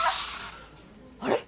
あれ？